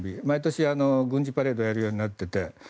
毎年、軍事パレードをやるようになっていて。